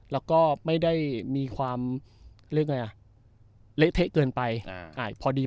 แล้วก็ไม่ได้มีความเละเทะเกินไป